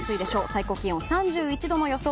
最高気温３１度の予想。